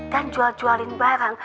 dan jual jualin barang